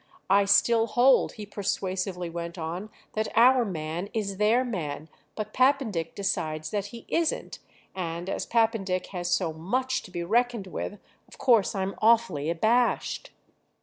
I still hold," he persuasively went on, "that our man is their man, but Pappendick decides that he isn't—and as Pappendick has so much to be reckoned with of course I'm awfully abashed."